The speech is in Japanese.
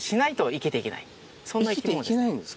そんな生き物です。